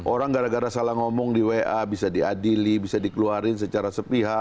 orang gara gara salah ngomong di wa bisa diadili bisa dikeluarin secara sepihak